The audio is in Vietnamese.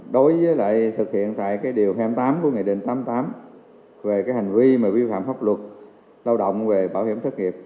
đối với lại thực hiện tại cái điều hai mươi tám của nghị định tám mươi tám về cái hành vi mà vi phạm pháp luật lao động về bảo hiểm thất nghiệp